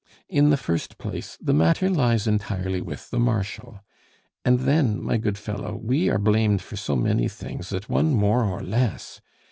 In the first place, the matter lies entirely with the Marshal. And then, my good fellow, we are blamed for so many things, that one more or less!